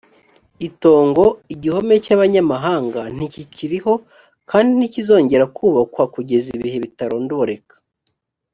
itongo igihome cy abanyamahanga ntikikiriho kandi ntikizongera kubakwa kugeza ibihe bitarondoreka